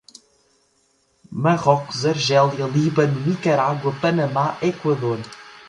Marrocos, Argélia, Líbano, Nicarágua, Panamá, Equador